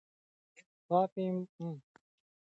غابي د خپل ځان تربیه کوي.